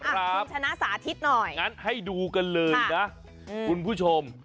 คุณชนะสาธิตหน่อยงั้นให้ดูกันเลยนะคุณผู้ชม